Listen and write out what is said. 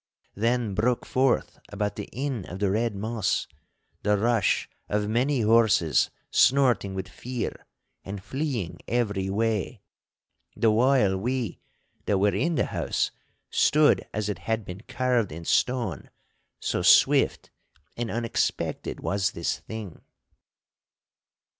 Then broke forth about the Inn of the Red Moss, the rush of many horses snorting with fear and fleeing every way, the while we, that were in the house, stood as it had been carved in stone, so swift and unexpected was this thing.